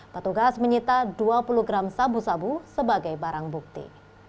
petugas menyita dua puluh gram sabu sabu sebagai barang bukti